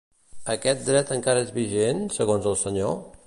Aquest dret encara és vigent, segons el senyor?